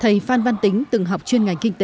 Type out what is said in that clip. thầy phan văn tính từng học chuyên ngành kinh tế